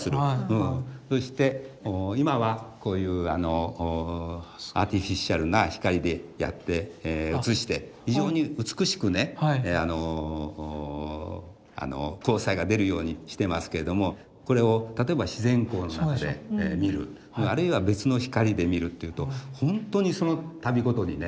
そして今はこういうアーティフィシャルな光でやって映して非常に美しくね光彩が出るようにしてますけれどもこれを例えば自然光の中で見るあるいは別の光で見るっていうとほんとにその度ごとにね